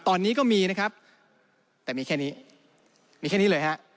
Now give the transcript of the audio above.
ตอนนี้ก็มีนะครับแต่มีแค่นี้มีแค่นี้เลยฮะ